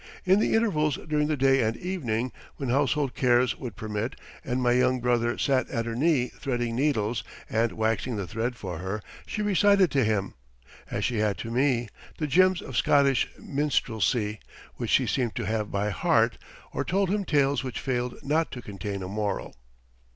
In the intervals during the day and evening, when household cares would permit, and my young brother sat at her knee threading needles and waxing the thread for her, she recited to him, as she had to me, the gems of Scottish minstrelsy which she seemed to have by heart, or told him tales which failed not to contain a moral.